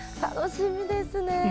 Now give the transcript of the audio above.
楽しみですね。